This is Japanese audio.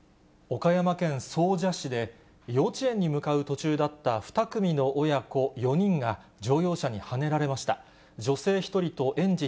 岡山県総社市で、幼稚園に向かう途中だった２組の親子４人が乗用車にはねられまし